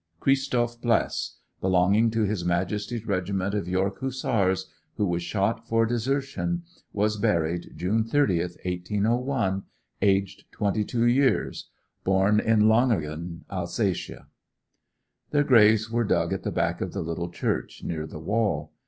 'Christoph Bless, belonging to His Majesty's Regmt. of York Hussars, who was Shot for Desertion, was Buried June 30th, 1801, aged 22 years. Born at Lothaargen, Alsatia.' Their graves were dug at the back of the little church, near the wall.